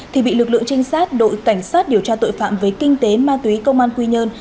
thì bị lực lượng trinh sát đội cảnh sát điều tra tội phạm về kinh tế ma túy công an quy nhơn